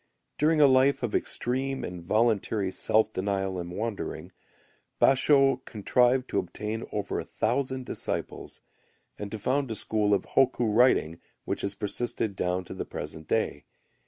During a life of extreme and voluntary self denial and wandering, Basho[u] contrived to obtain over a thousand disciples, and to found a school of hokku writing which has persisted down to the present day.